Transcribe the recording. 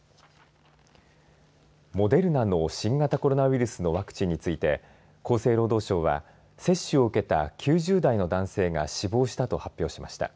モデルナの新型コロナウイルスのワクチンについて厚生労働省は接種を受けた９０代の男性が死亡したと発表しました。